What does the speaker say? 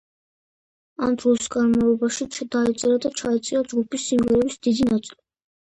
ამ დროის განმავლობაში დაიწერა და ჩაიწერა ჯგუფის სიმღერების დიდი ნაწილი.